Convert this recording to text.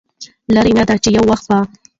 لرې نه ده چې يو وخت به